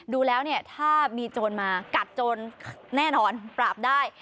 ดูแล้วเนี่ยถ้ามีโจรมากัดโจรแน่นอนปราบได้